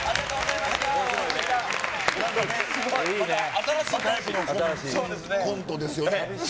また新しいタイプのコントですよね。